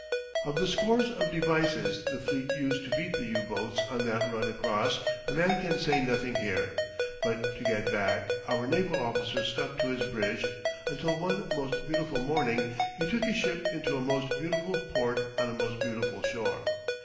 Of the scores of devices the fleet used to beat the U boats on that run across, a man can say nothing here. But to get back: our naval officer stuck to his bridge until one most beautiful morning he took his ship into a most beautiful port on a most beautiful shore.